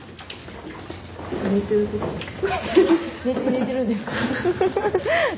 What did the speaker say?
寝てるんですか？